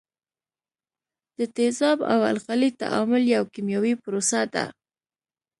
د تیزاب او القلي تعامل یو کیمیاوي پروسه ده.